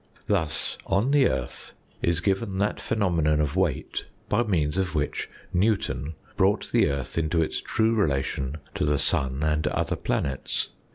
Thus, on the earth is given that phenomenon of weight by means of which Newton brought the earth into its true relation to the sun and other planets.